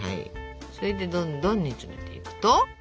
それでどんどん煮詰めていくと？